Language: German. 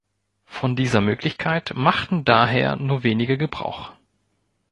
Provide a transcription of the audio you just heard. Von dieser Möglichkeit machten daher nur wenige Gebrauch.